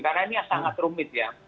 karena ini sangat rumit ya